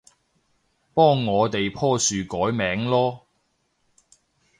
幫我哋棵樹改名囉